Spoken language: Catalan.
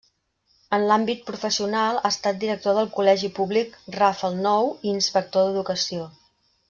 En l'àmbit professional, ha estat director del col·legi públic Rafal Nou i inspector d'educació.